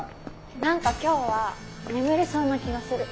何か今日は眠れそうな気がする。